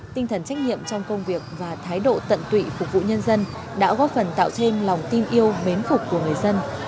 tinh thần trách nhiệm trong công việc và thái độ tận tụy phục vụ nhân dân đã góp phần tạo thêm lòng tin yêu mến phục của người dân